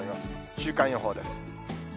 週間予報です。